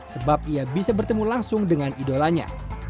sebab ia bisa bertemu langsung dengan idolanya